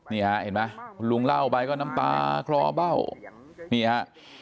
เห็นไหมคุณลุงเล่าไปก็น้ำตาคลอเบ้านี่ฮะ